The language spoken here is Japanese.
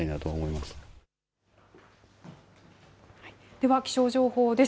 では気象情報です。